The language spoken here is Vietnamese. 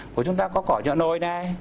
của chúng ta có cỏ nhựa nồi này